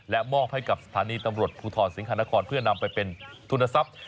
และมอบให้กับสถานีตำรวจภูทรสิงหานครเพื่อนำไปเป็นทุนทรัพย์